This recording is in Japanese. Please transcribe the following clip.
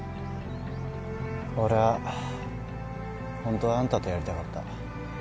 俺はホントはあんたとやりたかった。